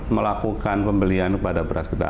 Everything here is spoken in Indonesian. melakukan pembelian kepada beras kita